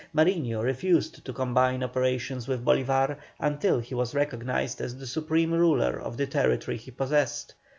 Mariño refused to combine operations with Bolívar until he was recognised as the supreme ruler of the territory he possessed.